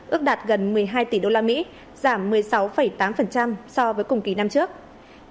ước đạt gần một mươi hai tỷ đô la mỹ giảm một mươi sáu tám so với cùng kỳ năm trước